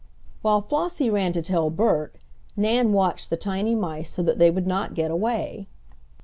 While Flossie ran to tell Bert, Nan watched the tiny mice so that they would not get away.